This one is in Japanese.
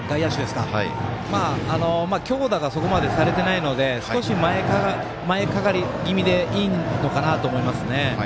強打がそこまでされてないので少し前がかり気味でいいのかなと思いますね。